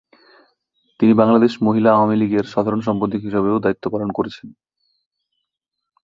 তিনি বাংলাদেশ মহিলা আওয়ামী লীগের সাধারণ সম্পাদক হিসেবেও দায়িত্ব পালন করেছেন।